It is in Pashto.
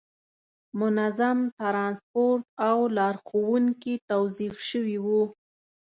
منظم ترانسپورت او لارښوونکي توظیف شوي وو.